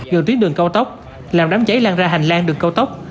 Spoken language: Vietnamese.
gần tuyết đường cao tốc làm đám cháy lan ra hành lan đường cao tốc